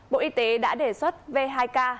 bộ y tế đã đề xuất v hai k